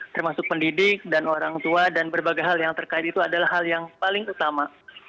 termasuk pendidik dan orang tua dan berbagai hal yang terkait itu adalah hal yang paling utama